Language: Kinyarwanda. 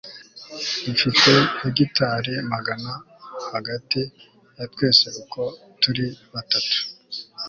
dufite hegitari magana hagati ya twese uko turi batatu